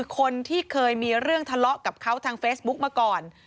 คนที่เคยมีเรื่องทะเลาะกับเขาทางเฟซบุ๊กมาก่อน